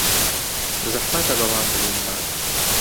زەحمەتە بەوان بڵێین نا.